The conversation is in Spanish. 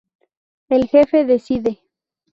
El Jefe Decide.